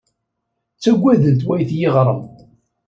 Ttaggaden-t wayt yiɣrem.